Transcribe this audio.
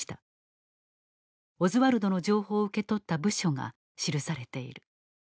オズワルドの情報を受け取った部署が記されている。